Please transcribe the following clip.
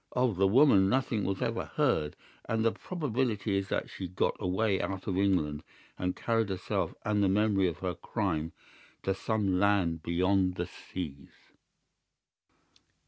Of the woman nothing was ever heard, and the probability is that she got away out of England and carried herself and the memory of her crime to some land beyond the seas."